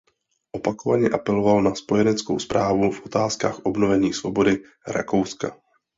Opakovaně apeloval na spojeneckou správu v otázkách obnovení svobody Rakouska.